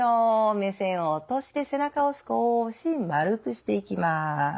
目線を落として背中を少し丸くしていきます。